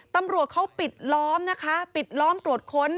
ตำรวจเขาปิดล้อมนะคะปิดล้อมตรวจค้น